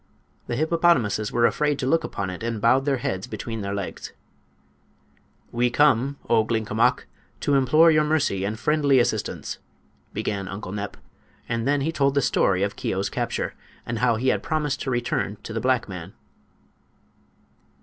The hippopotamuses were afraid to look upon it, and bowed their heads between their legs. "We come, O Glinkomok, to implore your mercy and friendly assistance!" began Uncle Nep; and then he told the story of Keo's capture, and how he had promised to return to the black man.